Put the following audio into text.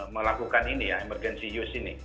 melakukan ini ya emergency use ini